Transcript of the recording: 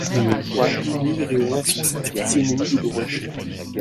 Une joie inouïe rayonna sur cette physionomie douloureuse.